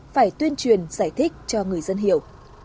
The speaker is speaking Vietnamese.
phải tuyên truyền giải thích cho người dân hiểu